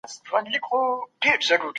موږ خپل وزن نورمال ساتو.